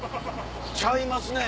ちゃいますね。